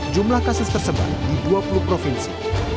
jumlah kasus tersebar di dua puluh provinsi